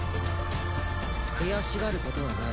悔しがることはない。